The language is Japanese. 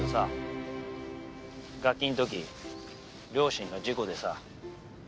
ガキん時両親が事故でさ。